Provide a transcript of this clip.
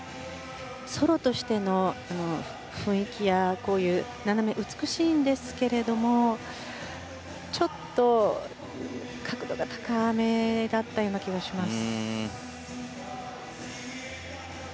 ソロとしての雰囲気や斜め、美しいんですがちょっと角度が高めだったような気がします。